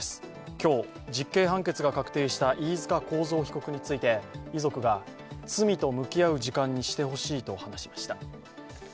今日、実刑判決が確定した飯塚幸三被告について遺族が罪と向き合う時間にしてほしいと話しました。